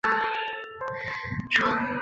元代废湖阳县入泌阳县仍属唐州。